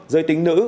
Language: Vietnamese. giới tính nữ